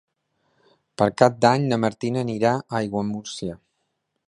Per Cap d'Any na Martina anirà a Aiguamúrcia.